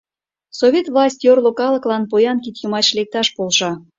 Совет власть йорло калыклан поян кид йымач лекташ полша.